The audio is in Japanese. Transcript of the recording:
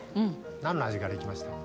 何の味から行きました？